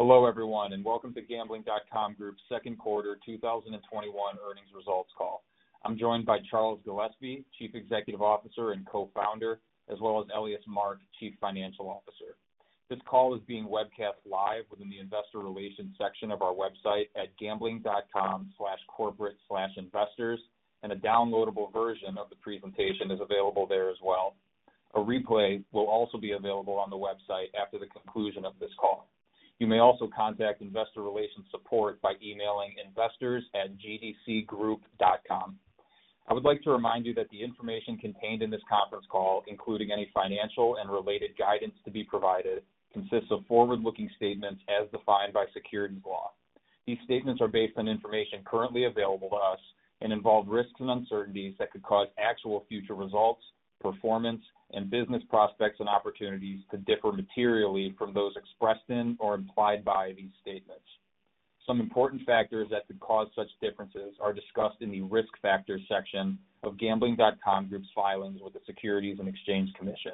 Hello, everyone, and welcome to Gambling.com Group's second quarter 2021 earnings results call. I'm joined by Charles Gillespie, Chief Executive Officer and Co-founder, as well as Elias Mark, Chief Financial Officer. This call is being webcast live within the investor relations section of our website at gambling.com/corporate/investors, and a downloadable version of the presentation is available there as well. A replay will also be available on the website after the conclusion of this call. You may also contact investor relations support by emailing investors@gdcgroup.com. I would like to remind you that the information contained in this conference call, including any financial and related guidance to be provided, consists of forward-looking statements as defined by securities law. These statements are based on information currently available to us and involve risks and uncertainties that could cause actual future results, performance, and business prospects and opportunities to differ materially from those expressed in or implied by these statements. Some important factors that could cause such differences are discussed in the Risk Factors section of Gambling.com Group's filings with the Securities and Exchange Commission.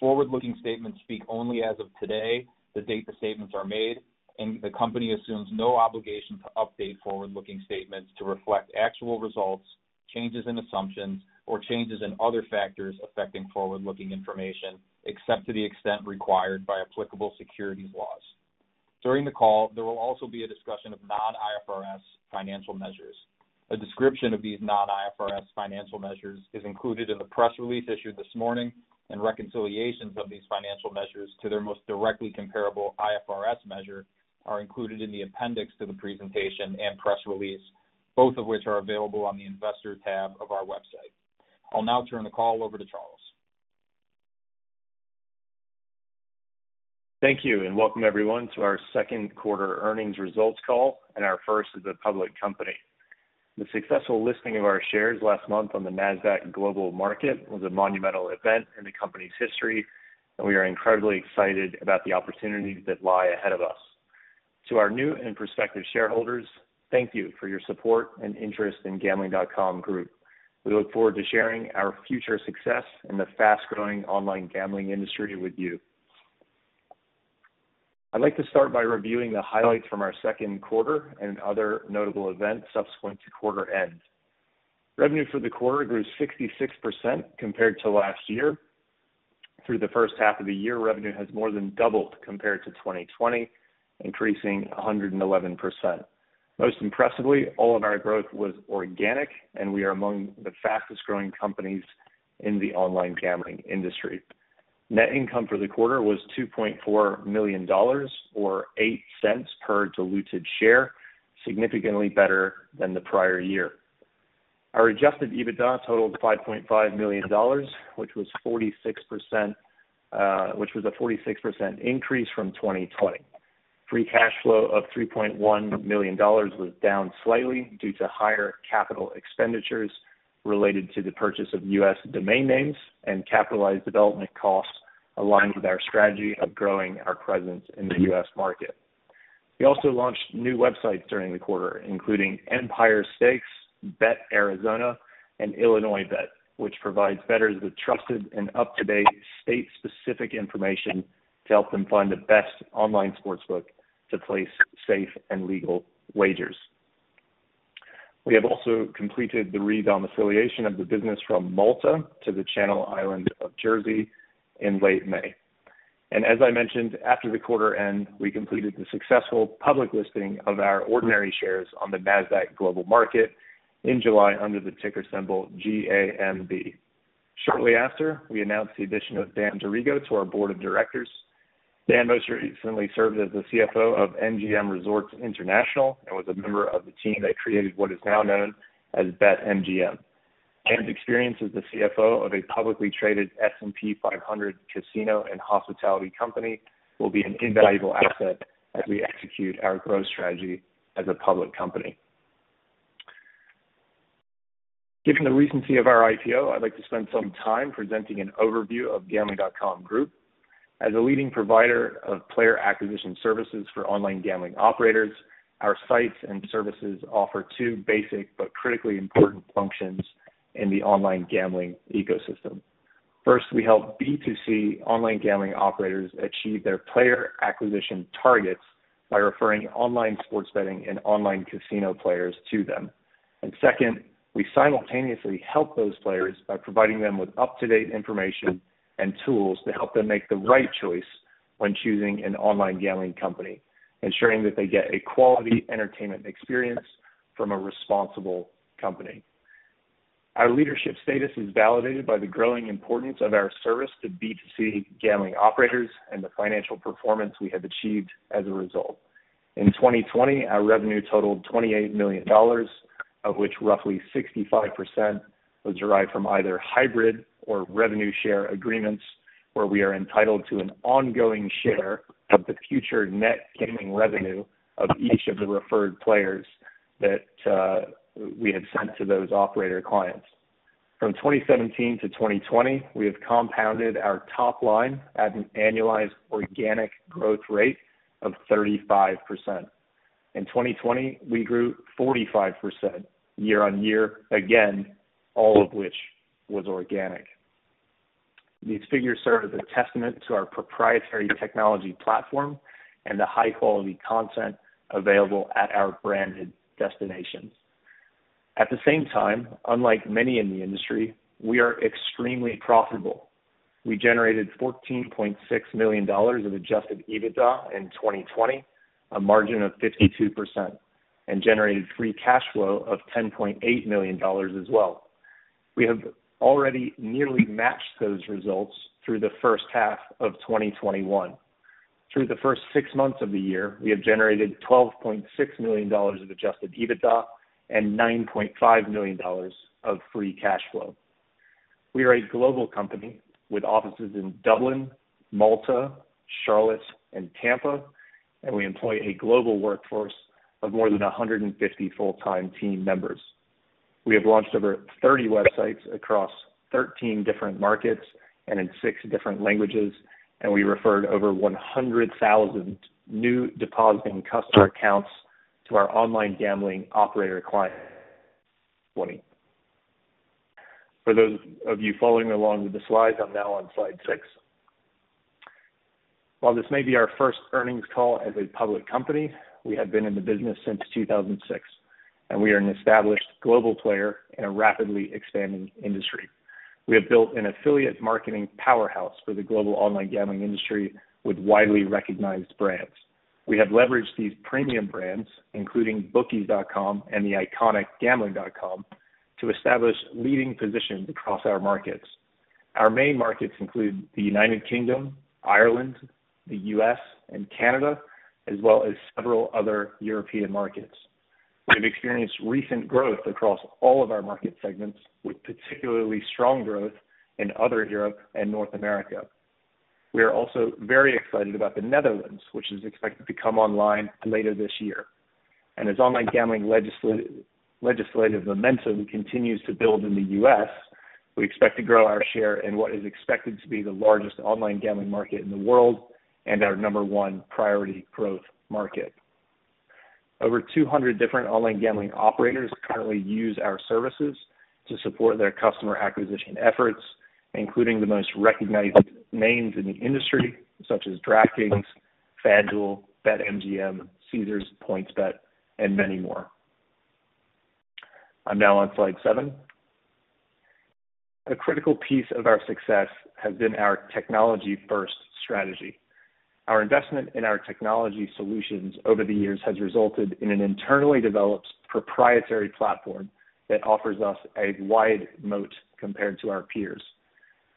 Forward-looking statements speak only as of today, the date the statements are made, and the company assumes no obligation to update forward-looking statements to reflect actual results, changes in assumptions, or changes in other factors affecting forward-looking information, except to the extent required by applicable securities laws. During the call, there will also be a discussion of non-IFRS financial measures. A description of these non-IFRS financial measures is included in the press release issued this morning, and reconciliations of these financial measures to their most directly comparable IFRS measure are included in the appendix to the presentation and press release, both of which are available on the Investor tab of our website. I'll now turn the call over to Charles. Thank you, and welcome, everyone, to our second quarter earnings results call and our first as a public company. The successful listing of our shares last month on the Nasdaq Global Market was a monumental event in the company's history, and we are incredibly excited about the opportunities that lie ahead of us. To our new and prospective shareholders, thank you for your support and interest in Gambling.com Group. We look forward to sharing our future success in the fast-growing online gambling industry with you. I'd like to start by reviewing the highlights from our second quarter and other notable events subsequent to quarter end. Revenue for the quarter grew 66% compared to last year. Through the first half of the year, revenue has more than doubled compared to 2020, increasing 111%. Most impressively, all of our growth was organic, and we are among the fastest-growing companies in the online gambling industry. Net income for the quarter was $2.4 million, or $0.08 per diluted share, significantly better than the prior year. Our adjusted EBITDA totaled $5.5 million, which was a 46% increase from 2020. Free cash flow of $3.1 million was down slightly due to higher capital expenditures related to the purchase of U.S. domain names and capitalized development costs aligned with our strategy of growing our presence in the U.S. market. We also launched new websites during the quarter, including empirestakes.com, betarizona.com, and illinoisbet.com, which provides bettors with trusted and up-to-date state-specific information to help them find the best online sportsbook to place safe and legal wagers. We have also completed the re-domiciliation of the business from Malta to the Channel Island of Jersey in late May. As I mentioned, after the quarter end, we completed the successful public listing of our ordinary shares on the Nasdaq Global Market in July under the ticker symbol GAMB. Shortly after, we announced the addition of Dan D'Arrigo to our board of directors. Dan most recently served as the CFO of MGM Resorts International and was a member of the team that created what is now known as BetMGM. Dan's experience as the CFO of a publicly traded S&P 500 casino and hospitality company will be an invaluable asset as we execute our growth strategy as a public company. Given the recency of our IPO, I'd like to spend some time presenting an overview of Gambling.com Group. As a leading provider of player acquisition services for online gambling operators, our sites and services offer two basic but critically important functions in the online gambling ecosystem. First, we help B2C online gambling operators achieve their player acquisition targets by referring online sports betting and online casino players to them. Second, we simultaneously help those players by providing them with up-to-date information and tools to help them make the right choice when choosing an online gambling company, ensuring that they get a quality entertainment experience from a responsible company. Our leadership status is validated by the growing importance of our service to B2C gambling operators and the financial performance we have achieved as a result. In 2020, our revenue totaled $28 million, of which roughly 65% was derived from either hybrid or revenue share agreements where we are entitled to an ongoing share of the future net gaming revenue of each of the referred players that we had sent to those operator clients. From 2017 to 2020, we have compounded our top line at an annualized organic growth rate of 35%. In 2020, we grew 45% year-over-year, again, all of which was organic. These figures serve as a testament to our proprietary technology platform and the high-quality content available at our branded destinations. At the same time, unlike many in the industry, we are extremely profitable. We generated $14.6 million of adjusted EBITDA in 2020, a margin of 52%, and generated free cash flow of $10.8 million as well. We have already nearly matched those results through the first half of 2021. Through the first six months of the year, we have generated $12.6 million of adjusted EBITDA and $9.5 million of free cash flow. We are a global company with offices in Dublin, Malta, Charlotte, and Tampa. We employ a global workforce of more than 150 full-time team members. We have launched over 30 websites across 13 different markets and in six different languages, and we referred over 100,000 new depositing customer accounts to our online gambling operator clients. For those of you following along with the slides, I'm now on slide six. While this may be our first earnings call as a public company, we have been in the business since 2006, and we are an established global player in a rapidly expanding industry. We have built an affiliate marketing powerhouse for the global online gambling industry with widely recognized brands. We have leveraged these premium brands, including bookies.com and the iconic gambling.com, to establish leading positions across our markets. Our main markets include the United Kingdom, Ireland, the U.S., and Canada, as well as several other European markets. We have experienced recent growth across all of our market segments, with particularly strong growth in other Europe and North America. We are also very excited about the Netherlands, which is expected to come online later this year. As online gambling legislative momentum continues to build in the U.S., we expect to grow our share in what is expected to be the largest online gambling market in the world, and our number one priority growth market. Over 200 different online gambling operators currently use our services to support their customer acquisition efforts, including the most recognized names in the industry, such as DraftKings, FanDuel, BetMGM, Caesars, PointsBet, and many more. I'm now on slide seven. A critical piece of our success has been our technology-first strategy. Our investment in our technology solutions over the years has resulted in an internally developed proprietary platform that offers us a wide moat compared to our peers.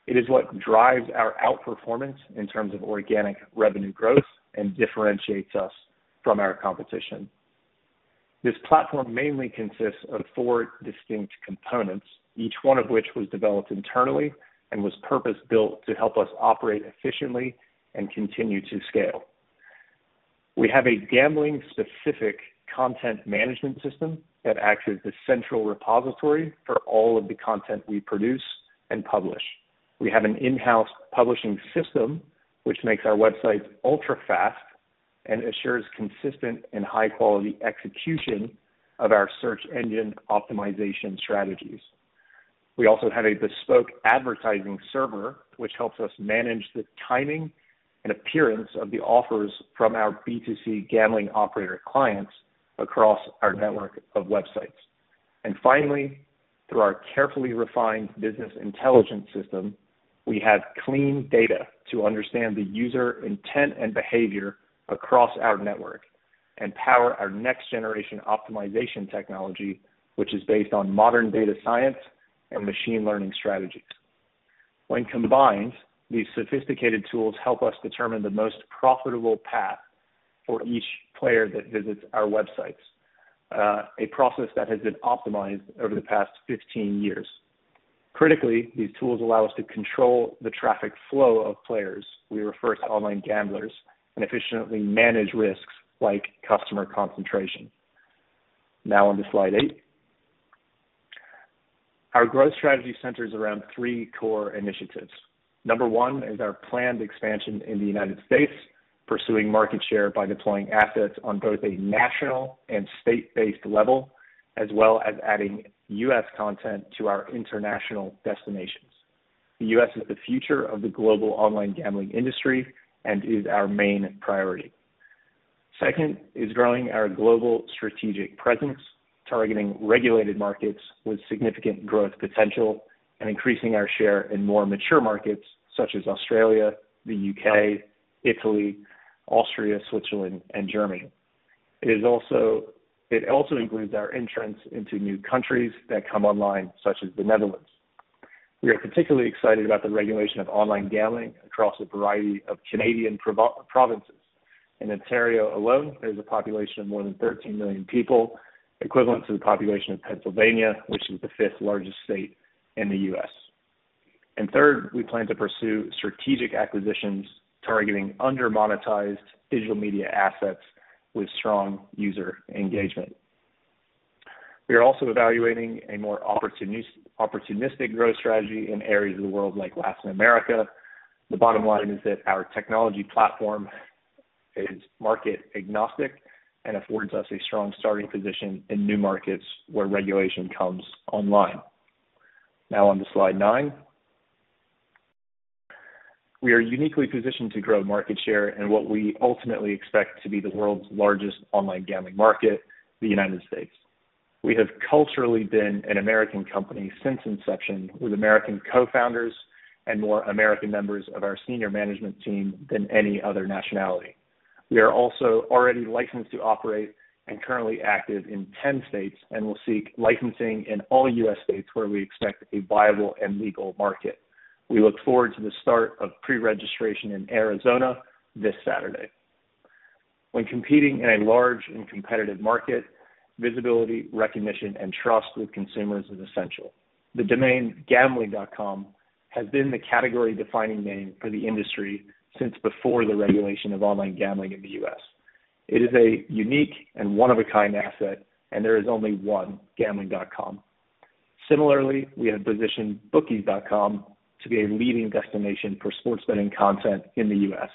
It is what drives our outperformance in terms of organic revenue growth and differentiates us from our competition. This platform mainly consists of four distinct components, each one of which was developed internally and was purpose-built to help us operate efficiently and continue to scale. We have a gambling-specific content management system that acts as the central repository for all of the content we produce and publish. We have an in-house publishing system which makes our websites ultra-fast and assures consistent and high-quality execution of our search engine optimization strategies. We also have a bespoke advertising server, which helps us manage the timing and appearance of the offers from our B2C gambling operator clients across our network of websites. Finally, through our carefully refined business intelligence system, we have clean data to understand the user intent and behavior across our network and power our next-generation optimization technology, which is based on modern data science and machine learning strategies. When combined, these sophisticated tools help us determine the most profitable path for each player that visits our websites, a process that has been optimized over the past 15 years. Critically, these tools allow us to control the traffic flow of players, we refer to online gamblers, and efficiently manage risks like customer concentration. Onto slide 8. Our growth strategy centers around three core initiatives. Number 1 is our planned expansion in the U.S., pursuing market share by deploying assets on both a national and state-based level, as well as adding U.S. content to our international destinations. The U.S. is the future of the global online gambling industry and is our main priority. Second is growing our global strategic presence, targeting regulated markets with significant growth potential and increasing our share in more mature markets such as Australia, the U.K., Italy, Austria, Switzerland, and Germany. It also includes our entrance into new countries that come online, such as the Netherlands. We are particularly excited about the regulation of online gambling across a variety of Canadian provinces. In Ontario alone, there's a population of more than 13 million people, equivalent to the population of Pennsylvania, which is the fifth-largest state in the U.S. Third, we plan to pursue strategic acquisitions targeting under-monetized digital media assets with strong user engagement. We are also evaluating a more opportunistic growth strategy in areas of the world like Latin America. The bottom line is that our technology platform is market agnostic and affords us a strong starting position in new markets where regulation comes online. On to slide nine. We are uniquely positioned to grow market share in what we ultimately expect to be the world's largest online gambling market, the U.S. We have culturally been an American company since inception, with American co-founders and more American members of our senior management team than any other nationality. We are also already licensed to operate and currently active in 10 states and will seek licensing in all U.S. states where we expect a viable and legal market. We look forward to the start of pre-registration in Arizona this Saturday. When competing in a large and competitive market, visibility, recognition, and trust with consumers is essential. The domain gambling.com has been the category-defining name for the industry since before the regulation of online gambling in the U.S. It is a unique and one-of-a-kind asset, and there is only one Gambling.com. Similarly, we have positioned bookies.com to be a leading destination for sports betting content in the U.S.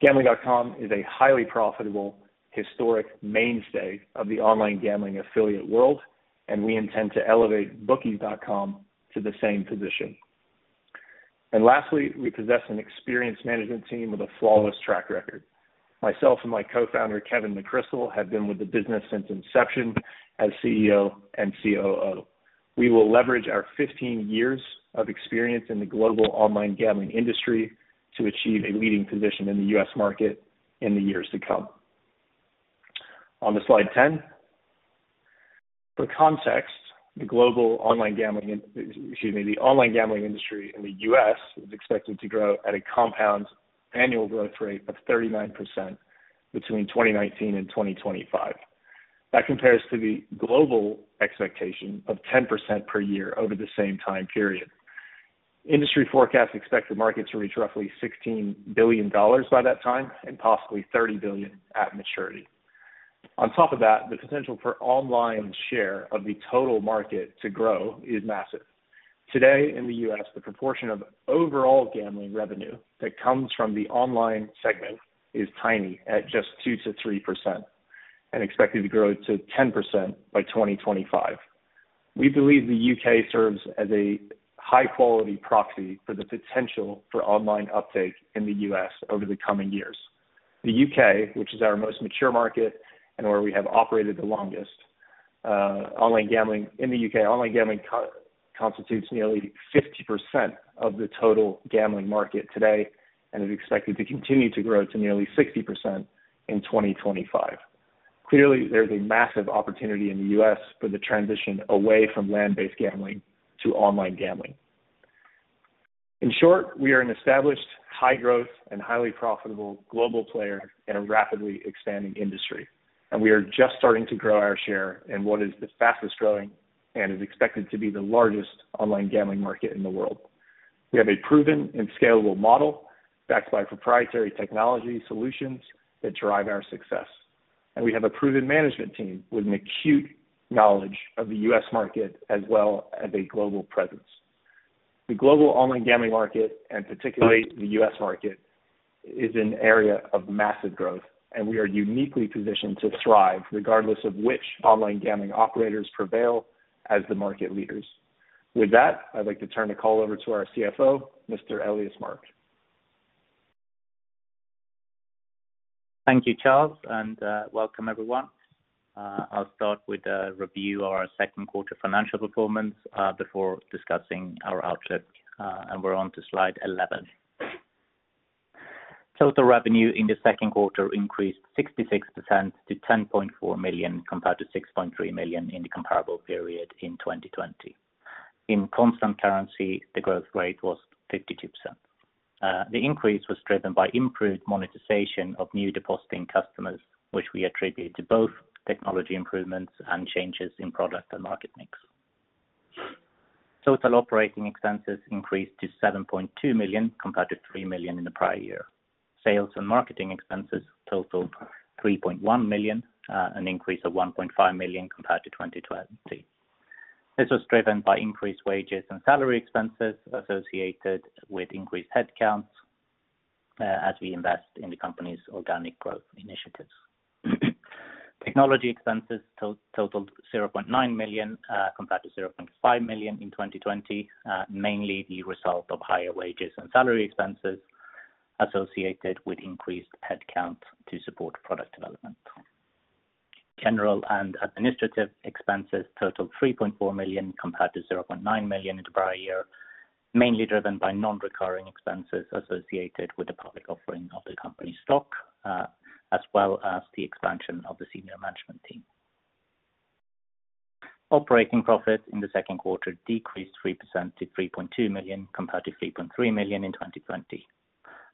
Gambling.com is a highly profitable historic mainstay of the online gambling affiliate world, we intend to elevate bookies.com to the same position. Lastly, we possess an experienced management team with a flawless track record. Myself and my co-founder, Kevin McCrystle, have been with the business since inception as CEO and COO. We will leverage our 15 years of experience in the global online gambling industry to achieve a leading position in the U.S. market in the years to come. On to slide 10. For context, the global online gambling, excuse me, the online gambling industry in the U.S. is expected to grow at a compound annual growth rate of 39% between 2019 and 2025. That compares to the global expectation of 10% per year over the same time period. Industry forecasts expect the market to reach roughly $16 billion by that time, and possibly $30 billion at maturity. On top of that, the potential for online share of the total market to grow is massive. Today in the U.S., the proportion of overall gambling revenue that comes from the online segment is tiny at just 2%-3% and expected to grow to 10% by 2025. We believe the U.K. serves as a high-quality proxy for the potential for online uptake in the U.S. over the coming years. The U.K., which is our most mature market and where we have operated the longest, online gambling in the U.K. constitutes nearly 50% of the total gambling market today and is expected to continue to grow to nearly 60% in 2025. Clearly, there is a massive opportunity in the U.S. for the transition away from land-based gambling to online gambling. In short, we are an established, high-growth, and highly profitable global player in a rapidly expanding industry, and we are just starting to grow our share in what is the fastest-growing and is expected to be the largest online gambling market in the world. We have a proven and scalable model backed by proprietary technology solutions that drive our success. We have a proven management team with an acute knowledge of the U.S. market as well as a global presence. The global online gambling market, and particularly the U.S. market, is an area of massive growth, and we are uniquely positioned to thrive regardless of which online gambling operators prevail as the market leaders. With that, I'd like to turn the call over to our CFO, Mr. Elias Mark. Thank you, Charles. Welcome everyone. I'll start with a review of our second quarter financial performance before discussing our outlook. We're on to slide 11. Total revenue in the second quarter increased 66% to $10.4 million, compared to $6.3 million in the comparable period in 2020. In constant currency, the growth rate was 52%. The increase was driven by improved monetization of new depositing customers, which we attribute to both technology improvements and changes in product and market mix. Total operating expenses increased to $7.2 million, compared to $3 million in the prior year. Sales and marketing expenses totaled $3.1 million, an increase of $1.5 million compared to 2020. This was driven by increased wages and salary expenses associated with increased headcounts as we invest in the company's organic growth initiatives. Technology expenses totaled $0.9 million, compared to $0.5 million in 2020, mainly the result of higher wages and salary expenses associated with increased headcount to support product development. General and administrative expenses totaled $3.4 million, compared to $0.9 million in the prior year, mainly driven by non-recurring expenses associated with the public offering of the company stock, as well as the expansion of the senior management team. Operating profit in the second quarter decreased 3% to $3.2 million, compared to $3.3 million in 2020.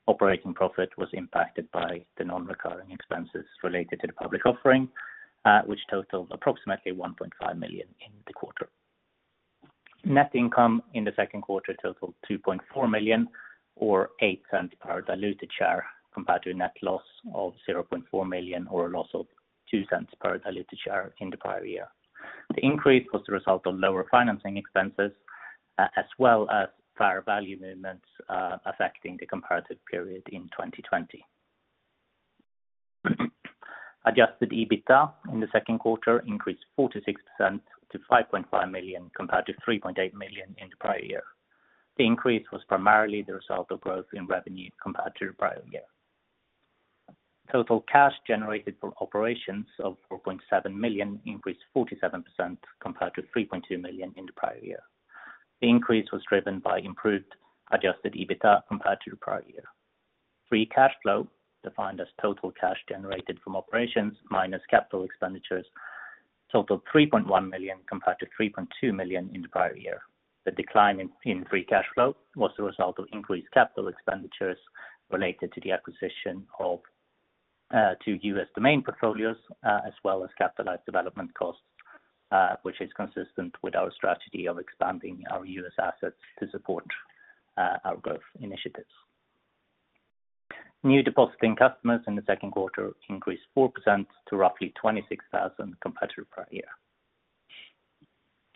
Operating profit was impacted by the non-recurring expenses related to the public offering, which totaled approximately $1.5 million in the quarter. Net income in the second quarter totaled $2.4 million or $0.08 per diluted share, compared to a net loss of $0.4 million or a loss of $0.02 per diluted share in the prior year. The increase was the result of lower financing expenses, as well as fair value movements affecting the comparative period in 2020. Adjusted EBITDA in the second quarter increased 46% to $5.5 million compared to $3.8 million in the prior year. The increase was primarily the result of growth in revenue compared to the prior year. Total cash generated from operations of $4.7 million increased 47% compared to $3.2 million in the prior year. The increase was driven by improved adjusted EBITDA compared to the prior year. Free cash flow, defined as total cash generated from operations minus capital expenditures, totaled $3.1 million compared to $3.2 million in the prior year. The decline in free cash flow was the result of increased capital expenditures related to the acquisition of two U.S. domain portfolios, as well as capitalized development costs, which is consistent with our strategy of expanding our U.S. assets to support our growth initiatives. New depositing customers in the second quarter increased 4% to roughly 26,000 compared to the prior year.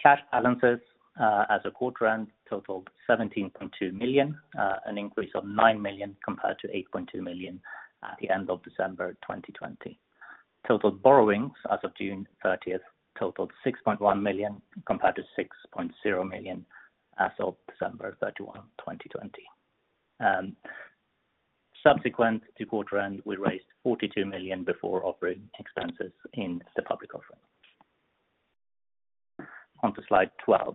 Cash balances as of quarter end totaled $17.2 million, an increase of $9 million compared to $8.2 million at the end of December 2020. Total borrowings as of June 30th totaled $6.1 million, compared to $6.0 million as of December 31, 2020. Subsequent to quarter end, we raised $42 million before operating expenses in the public offering. On to slide 12.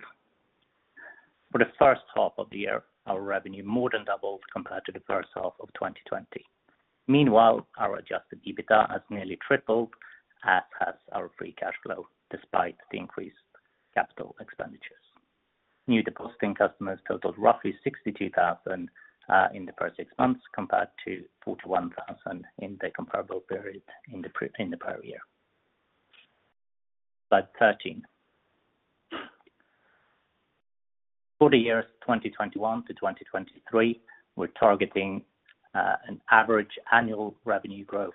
For the first half of the year, our revenue more than doubled compared to the first half of 2020. Meanwhile, our adjusted EBITDA has nearly tripled, as has our free cash flow despite the increased capital expenditures. New depositing customers totaled roughly 62,000 in the first six months, compared to 41,000 in the comparable period in the prior year. Slide 13. For the years 2021 to 2023, we're targeting an average annual revenue growth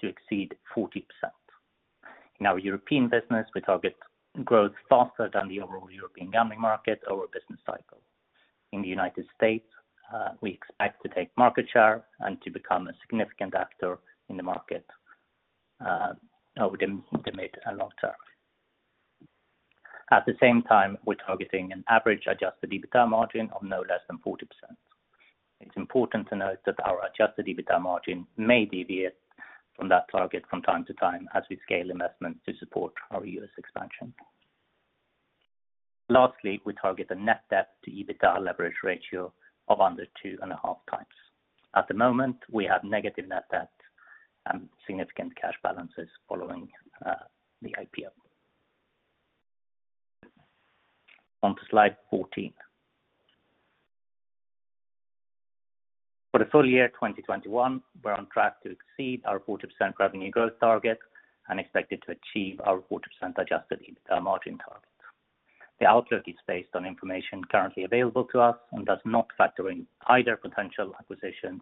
to exceed 40%. In our European business, we target growth faster than the overall European gambling market over a business cycle. In the United States, we expect to take market share and to become a significant actor in the market over the mid and long term. At the same time, we're targeting an average adjusted EBITDA margin of no less than 40%. It's important to note that our adjusted EBITDA margin may deviate from that target from time to time as we scale investments to support our U.S. expansion. Lastly, we target a net debt to EBITDA leverage ratio of under 2.5 times. At the moment, we have negative net debt and significant cash balances following the IPO. On to slide 14. For the full year 2021, we're on track to exceed our 40% revenue growth target and expected to achieve our 40% adjusted EBITDA margin target. The outlook is based on information currently available to us and does not factor in either potential acquisitions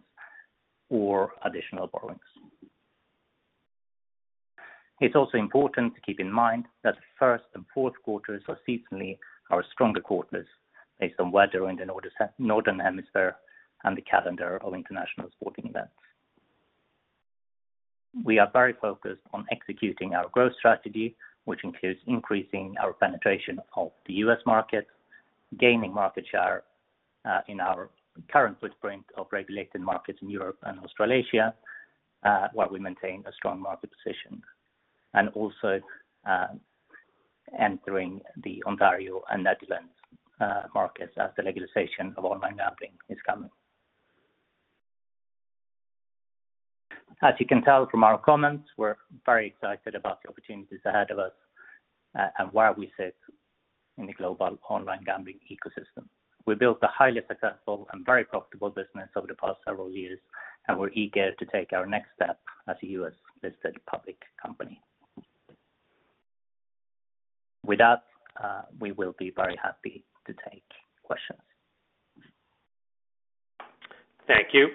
or additional borrowings. It's also important to keep in mind that first and fourth quarters are seasonally our stronger quarters based on weather in the Northern Hemisphere and the calendar of international sporting events. We are very focused on executing our growth strategy, which includes increasing our penetration of the U.S. market, gaining market share in our current footprint of regulated markets in Europe and Australasia, where we maintain a strong market position. Also entering the Ontario and Netherlands markets as the legalization of online gambling is coming. As you can tell from our comments, we're very excited about the opportunities ahead of us and where we sit in the global online gambling ecosystem. We built a highly successful and very profitable business over the past several years, and we're eager to take our next step as a U.S.-listed public company. With that, we will be very happy to take questions. Thank you.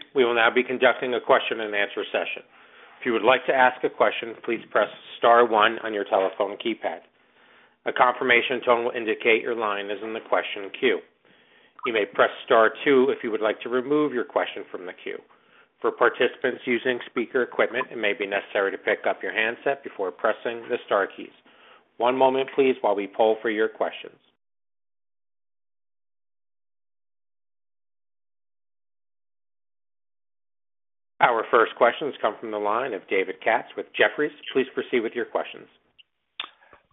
Our first questions come from the line of David Katz with Jefferies. Please proceed with your questions.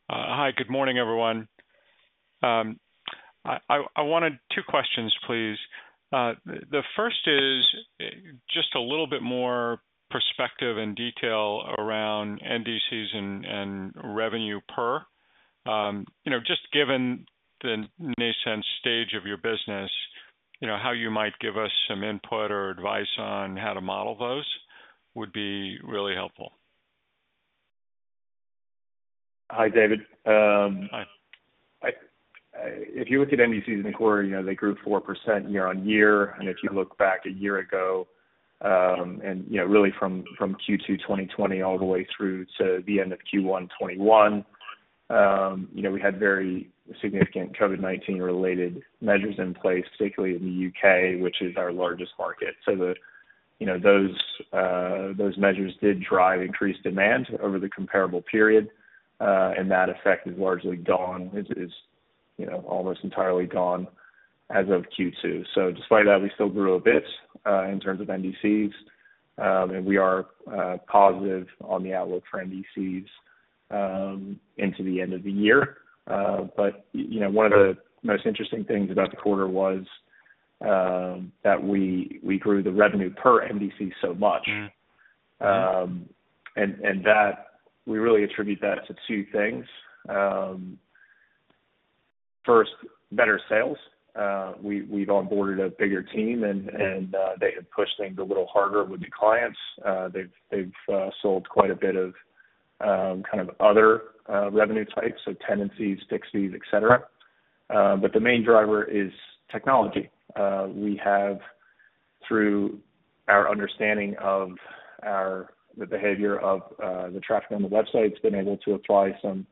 Hi. Good morning, everyone. I wanted two questions, please. The first is just a little bit more perspective and detail around NDCs and revenue per. Just given the nascent stage of your business, how you might give us some input or advice on how to model those would be really helpful. Hi, David. If you look at NDCs in the quarter, they grew 4% year-on-year. If you look back a year ago, and really from Q2 2020 all the way through to the end of Q1 2021, we had very significant COVID-19 related measures in place, particularly in the U.K., which is our largest market. Those measures did drive increased demand over the comparable period, and that effect is largely gone. It's almost entirely gone as of Q2. Despite that, we still grew a bit in terms of NDCs. We are positive on the outlook for NDCs into the end of the year. One of the most interesting things about the quarter was that we grew the revenue per NDC so much. We really attribute that to two things. First, better sales. We've onboarded a bigger team, and they have pushed things a little harder with the clients. They've sold quite a bit of other revenue types, so tenancies, fixies, et cetera. The main driver is technology. We have, through our understanding of the behavior of the traffic on the website, been able to apply some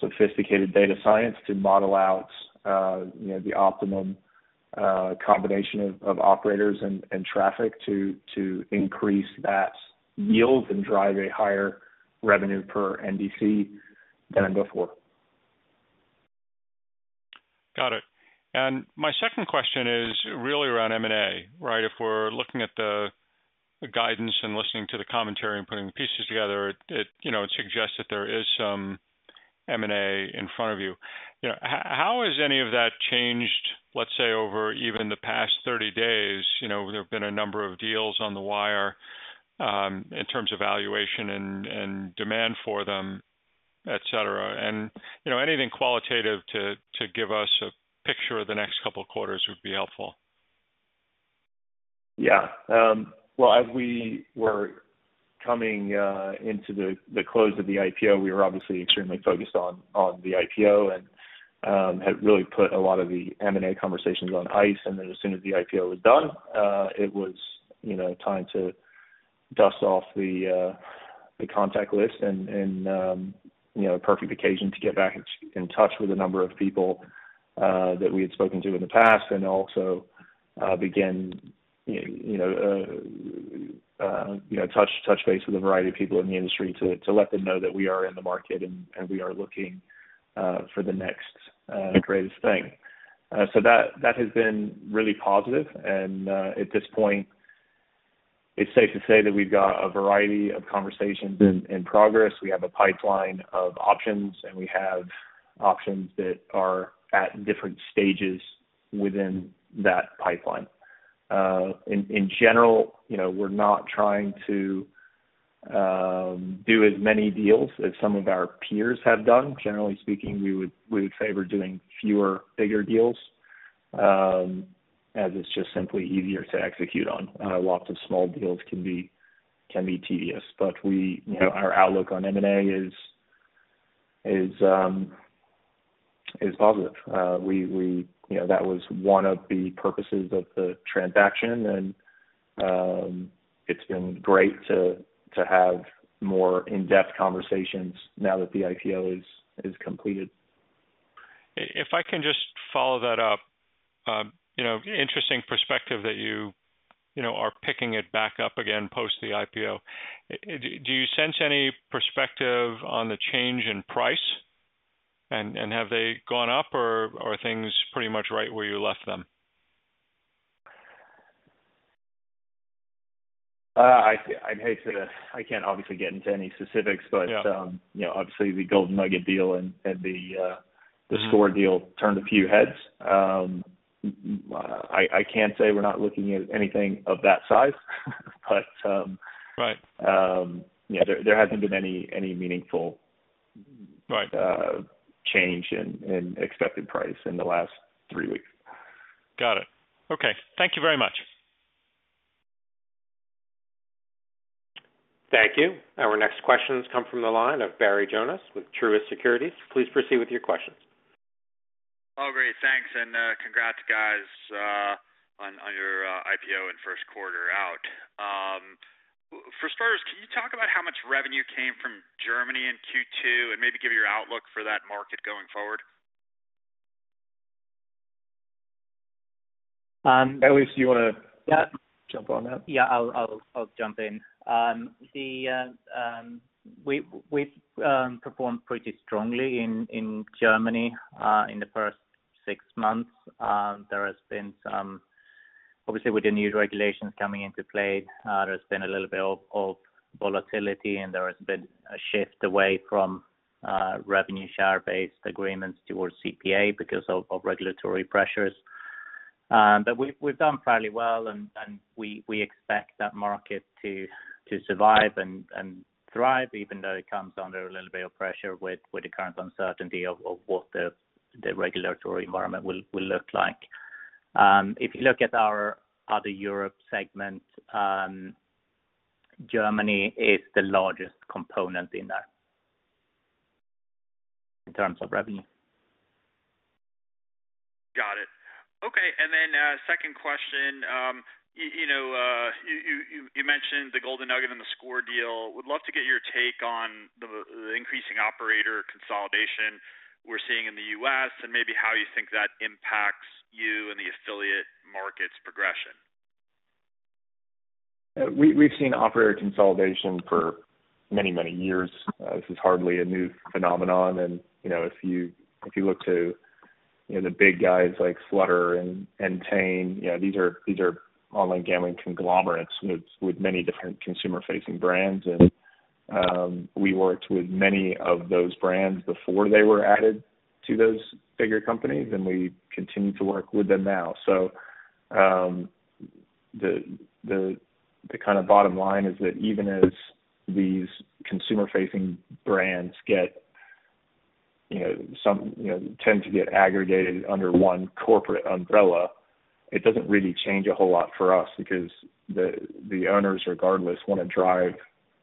sophisticated data science to model out the optimum combination of operators and traffic to increase that yield and drive a higher revenue per NDC than before. Got it. My second question is really around M&A. If we're looking at the guidance and listening to the commentary and putting the pieces together, it suggests that there is some M&A in front of you. How has any of that changed, let's say, over even the past 30 days? There have been a number of deals on the wire, in terms of valuation and demand for them, et cetera. Anything qualitative to give us a picture of the next couple of quarters would be helpful. Well, as we were coming into the close of the IPO, we were obviously extremely focused on the IPO and had really put a lot of the M&A conversations on ice. As soon as the IPO was done, it was time to dust off the contact list and a perfect occasion to get back in touch with a number of people that we had spoken to in the past and also begin touch base with a variety of people in the industry to let them know that we are in the market and we are looking for the next greatest thing. That has been really positive, and at this point, it's safe to say that we've got a variety of conversations in progress. We have a pipeline of options, and we have options that are at different stages within that pipeline. In general, we're not trying to do as many deals as some of our peers have done. Generally speaking, we would favor doing fewer, bigger deals, as it's just simply easier to execute on. Lots of small deals can be tedious, but our outlook on M&A is positive. That was one of the purposes of the transaction, and it's been great to have more in-depth conversations now that the IPO is completed. If I can just follow that up. Interesting perspective that you are picking it back up again post the IPO. Do you sense any perspective on the change in price? Have they gone up, or are things pretty much right where you left them? I can't obviously get into any specifics. Yeah obviously the Golden Nugget deal and. theScore deal turned a few heads. I can't say we're not looking at anything of that size. Right there hasn't been any meaningful. Right change in accepted price in the last three weeks. Got it. Okay. Thank you very much. Thank you. Our next questions come from the line of Barry Jonas with Truist Securities. Please proceed with your questions. Oh, great. Thanks, and congrats guys on your IPO and first quarter out. For starters, can you talk about how much revenue came from Germany in Q2, and maybe give your outlook for that market going forward? Elias, do you want to- Yeah jump on that? Yeah, I'll jump in. We've performed pretty strongly in Germany in the first six months. Obviously, with the new regulations coming into play, there's been a little bit of volatility, and there has been a shift away from revenue share-based agreements towards CPA because of regulatory pressures. We've done fairly well, and we expect that market to survive and thrive, even though it comes under a little bit of pressure with the current uncertainty of what the regulatory environment will look like. If you look at our other Europe segment, Germany is the largest component in that in terms of revenue. Got it. Okay. Second question. You mentioned the Golden Nugget and the theScore deal. Would love to get your take on the increasing operator consolidation we're seeing in the U.S. and maybe how you think that impacts you and the affiliate market's progression. We've seen operator consolidation for many, many years. This is hardly a new phenomenon. If you look to the big guys like Flutter and Entain, these are online gambling conglomerates with many different consumer-facing brands. We worked with many of those brands before they were added to those bigger companies, and we continue to work with them now. The bottom line is that even as these consumer-facing brands tend to get aggregated under one corporate umbrella, it doesn't really change a whole lot for us because the owners, regardless, want to drive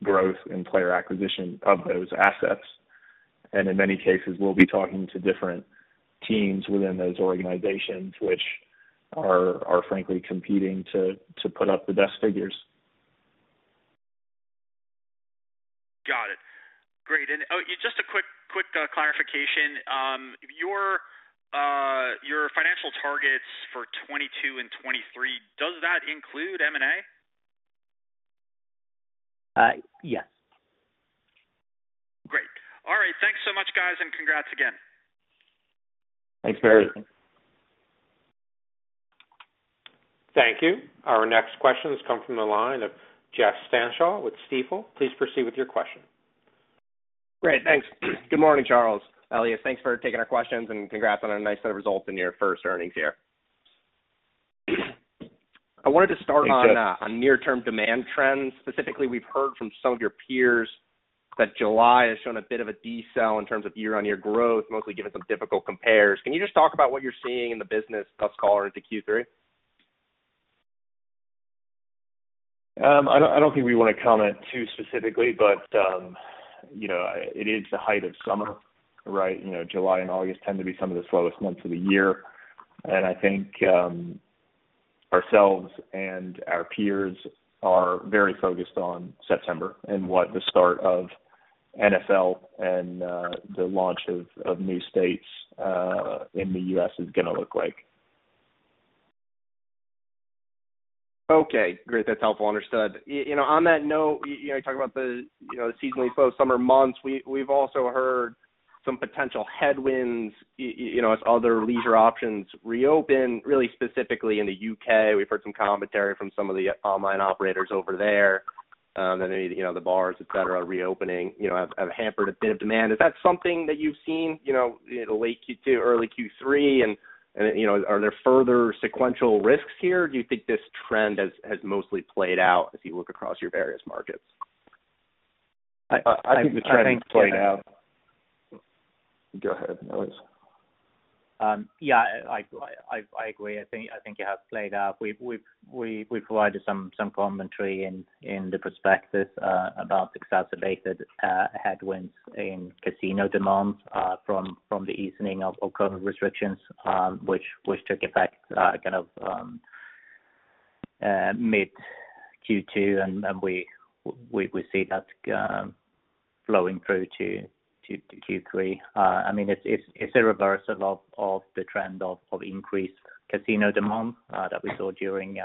growth in player acquisition of those assets. In many cases, we'll be talking to different teams within those organizations, which are frankly competing to put up the best figures. Got it. Great. Just a quick clarification. Your financial targets for 2022 and 2023, does that include M&A? Yes. Great. All right. Thanks so much, guys, and congrats again. Thanks for everything. Thank you. Our next question has come from the line of Jeffrey Stantial with Stifel. Please proceed with your question. Great. Thanks. Good morning, Charles, Elias. Thanks for taking our questions, and congrats on a nice set of results in your first earnings year. Thanks, Jeff. I wanted to start on near-term demand trends. Specifically, we've heard from some of your peers that July has shown a bit of a decel in terms of year-on-year growth, mostly given some difficult compares. Can you just talk about what you're seeing in the business gamthus far into Q3? I don't think we want to comment too specifically. It is the height of summer, right? July and August tend to be some of the slowest months of the year. I think ourselves and our peers are very focused on September and what the start of NFL and the launch of new states in the U.S. is going to look like. Okay, great. That's helpful. Understood. On that note, you talk about the seasonally slow summer months. We've also heard some potential headwinds, as other leisure options reopen, really specifically in the U.K. We've heard some commentary from some of the online operators over there that the bars, et cetera, reopening have hampered a bit of demand. Is that something that you've seen in late Q2, early Q3, and are there further sequential risks here? Do you think this trend has mostly played out as you look across your various markets? I think the trend has played out. Go ahead, Elias. I agree. I think it has played out. We provided some commentary in the prospectus about exacerbated headwinds in casino demands from the easing of COVID restrictions, which took effect mid Q2, and we see that flowing through to Q3. It's a reversal of the trend of increased casino demand that we saw during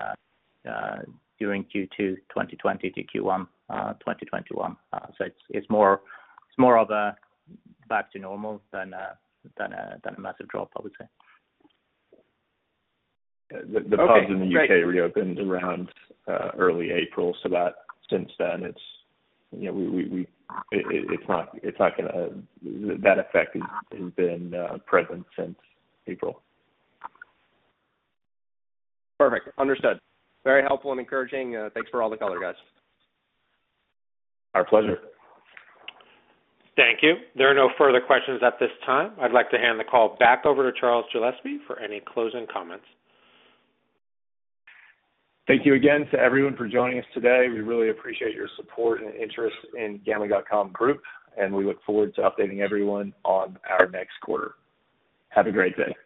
Q2 2020 to Q1 2021. It's more of a back to normal than a massive drop, I would say. The pubs in the U.K. reopened around early April, so since then, that effect has been present since April. Perfect. Understood. Very helpful and encouraging. Thanks for all the color, guys. Our pleasure. Thank you. There are no further questions at this time. I'd like to hand the call back over to Charles Gillespie for any closing comments. Thank you again to everyone for joining us today. We really appreciate your support and interest in Gambling.com Group. We look forward to updating everyone on our next quarter. Have a great day.